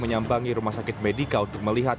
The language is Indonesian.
menyambangi rumah sakit medica untuk melihat